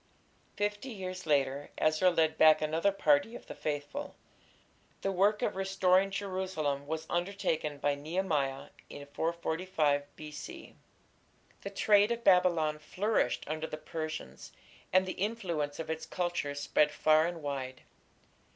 Fifty years later Ezra led back another party of the faithful. The work of restoring Jerusalem was undertaken by Nehemiah in 445 B.C. The trade of Babylon flourished under the Persians, and the influence of its culture spread far and wide.